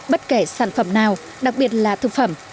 bất kể sản phẩm nào đặc biệt là thực phẩm